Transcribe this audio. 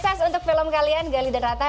sukses untuk film kalian gali dan rata